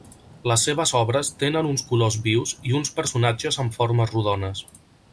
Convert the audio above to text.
Les seves obres tenen uns colors vius i uns personatges amb formes rodones.